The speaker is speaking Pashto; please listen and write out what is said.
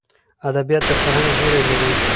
ادبیات د فرهنګ زېری لري.